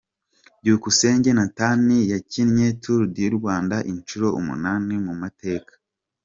Byukusenge Nathan yakinnye Tour du Rwanda inshuro umunani mu mateka ye.